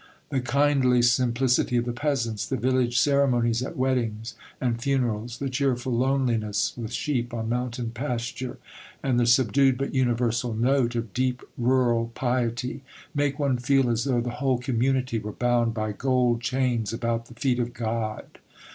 The kindly simplicity of the peasants, the village ceremonies at weddings and funerals, the cheerful loneliness with sheep on mountain pasture, and the subdued but universal note of deep rural piety, make one feel as though the whole community were bound by gold chains about the feet of God.